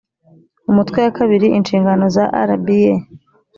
umutwe wa kabiri inshingano za rba